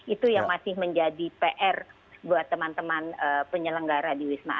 itu yang masih menjadi pr buat teman teman penyelenggara